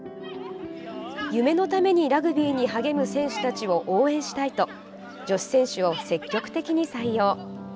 夢のためにラグビーに励む選手たちを応援したいと女子選手を積極的に採用。